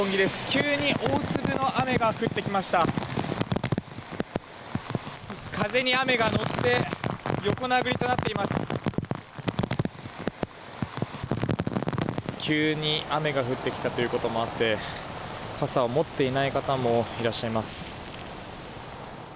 急に雨が降ってきたということもあって傘を持っていない方もいらっしゃいます。